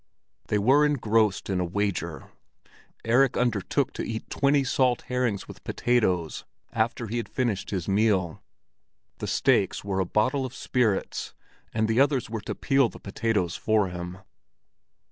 They were engrossed in a wager; Erik undertook to eat twenty salt herrings with potatoes after he had finished his meal. The stakes were a bottle of spirits, and the others were to peel the potatoes for him.